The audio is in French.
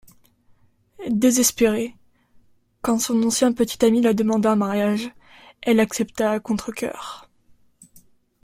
Désespérée, quand son ancien petit ami la demande en mariage, elle accepte à contrecœur.